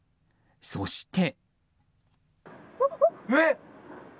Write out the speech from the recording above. そして。